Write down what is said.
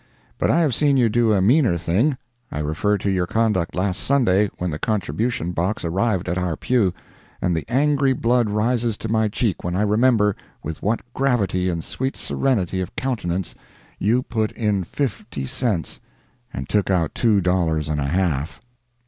But I have seen you do a meaner thing. I refer to your conduct last Sunday, when the contribution box arrived at our pew—and the angry blood rises to my cheek when I remember with what gravity and sweet serenity of countenance you put in fifty cents and took out two dollars and a half...